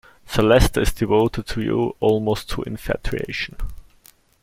Sir Leicester is devoted to you almost to infatuation.